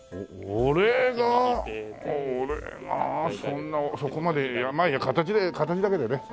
俺がそんなそこまでやらないで形だけでね。